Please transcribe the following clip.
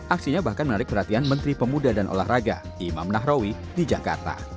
aksinya bahkan menarik perhatian menteri pemuda dan olahraga imam nahrawi di jakarta